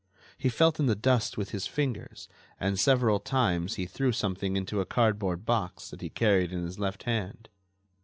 He felt in the dust with his fingers and several times he threw something into a cardboard box that he carried in his left hand.